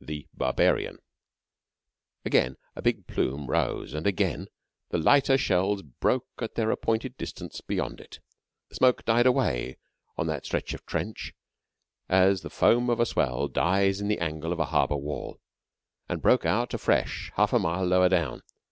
"THE BARBARIAN" Again a big plume rose; and again the lighter shells broke at their appointed distance beyond it. The smoke died away on that stretch of trench, as the foam of a swell dies in the angle of a harbour wall, and broke out afresh half a mile lower down.